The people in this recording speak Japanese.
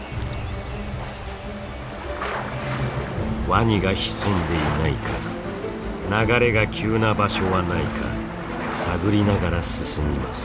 ワニが潜んでいないか流れが急な場所はないか探りながら進みます。